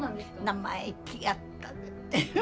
生意気やったって。